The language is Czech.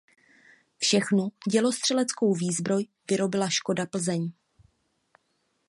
Všechnu dělostřeleckou výzbroj vyrobila Škoda Plzeň.